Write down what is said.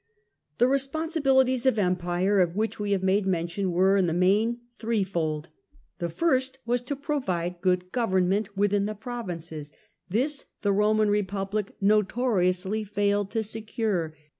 The responsibilities of empire, of which w© have made mention were, in the main, threefold. The first was to provide good government within the provinces ; this the Roman Republic notoriously failed to secure.